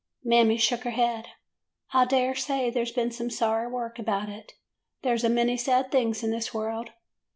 ''Mammy shook her head. 'I dare say there 's been some sorry work about it. There 's a many sad things in this world.